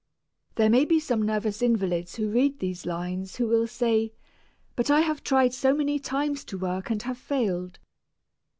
There may be some nervous invalids who read these lines who will say, "But I have tried so many times to work and have failed."